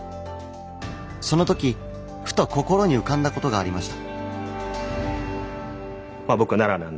その時ふと心に浮かんだことがありました。